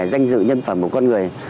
danh dự nhân phẩm của con người